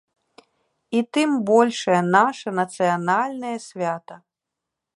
І тым большае наша нацыянальнае свята.